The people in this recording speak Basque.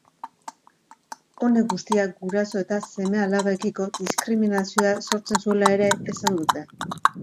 Honek guztiak, guraso eta seme-alabekiko diskriminazioa sortzen zuela ere esan dute.